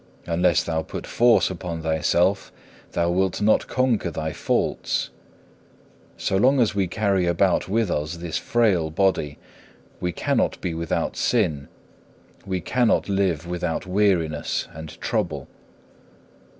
Unless thou put force upon thyself, thou wilt not conquer thy faults. So long as we carry about with us this frail body, we cannot be without sin, we cannot live without weariness and trouble.